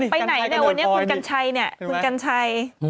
ไปไหนเนี่ยวันนี้คุณกัญชัยเนี่ย